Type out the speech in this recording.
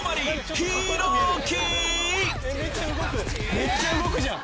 めっちゃ動くじゃん。